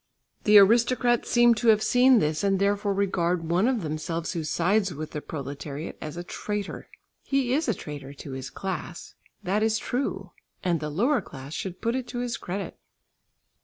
The aristocrats seem to have seen this and therefore regard one of themselves who sides with the proletariat as a traitor. He is a traitor to his class, that is true; and the lower class should put it to his credit.